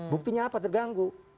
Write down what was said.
buktinya apa terganggu